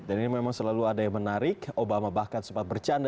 dan ini memang selalu ada yang menarik obama bahkan sempat bercanda